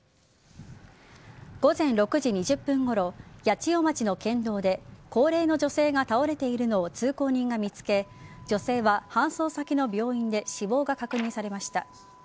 午前６時２０分ごろ八千代町の県道で高齢の女性が倒れているのを通行人が見つけ女性は搬送先の病院で死亡が確認されました。